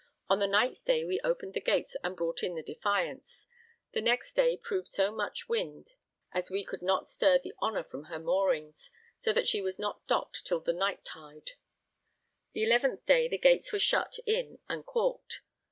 On the 9th day we opened the gates and brought in the Defiance; the next day proved so much wind as we could not stir the Honour from her moorings, so that she was not docked till the night tide; the 11th day the gates were shut in and caulked.